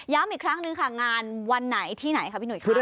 ย้ำอีกครั้งหนึ่งค่ะงานวันไหนที่ไหนครับพี่หนุ่ยคะ